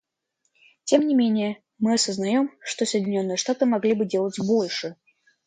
Тем не менее, мы осознаем, что Соединенные Штаты могли бы делать больше.